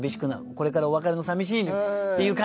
これからお別れのさみしいっていう感じもね